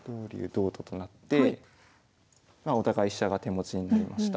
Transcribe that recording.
同と金となってお互い飛車が手持ちになりました。